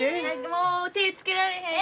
もう手つけられへん。